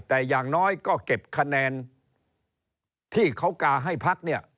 แต่อย่างน้อยก็เก็บคะแนนที่เขากาให้พักเนี่ย